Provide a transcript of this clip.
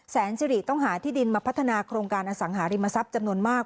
สิริต้องหาที่ดินมาพัฒนาโครงการอสังหาริมทรัพย์จำนวนมาก